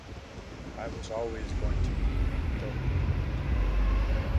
I was always going to be Annie Oakley.